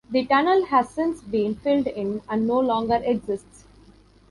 The tunnel has since been filled in and no longer exists.